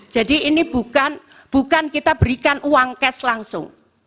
jadi ini bukan kita berikan uang cash langsung